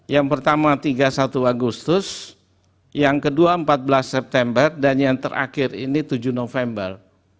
yang pertama tiga puluh satu agustus yang kedua empat belas september dan yang terakhir ini tujuh november